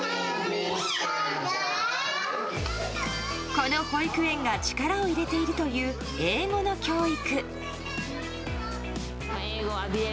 この保育園が力を入れているという英語の教育。